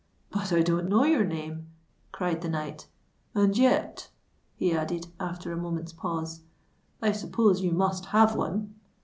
"But I don't know your name," cried the knight. "And yet," he added, after a moment's pause, "I suppose you must have one."